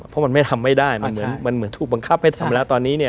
เพราะมันไม่ทำให้ได้มันเหมือนถูกบังคับให้ทำแล้วตอนนี้เนี่ย